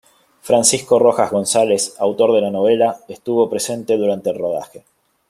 Francisco Rojas González, autor de la novela, estuvo presente durante el rodaje.